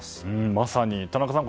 まさに田中さん